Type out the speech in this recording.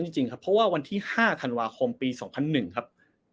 จริงครับเพราะว่าวันที่๕ธันวาคมปี๒๐๐๑ครับ